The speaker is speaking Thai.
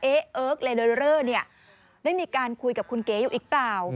เอ๊ะเอิร์กแล้วเนี่ยได้มีการคุยกับคุณเก๋อยู่อีกเปล่า